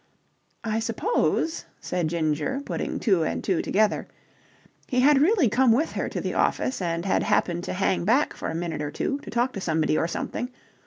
I suppose," said Ginger, putting two and two together, "he had really come with her to the office and had happened to hang back for a minute or two, to talk to somebody or something...